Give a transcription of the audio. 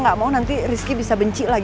sampai jumpa di video selanjutnya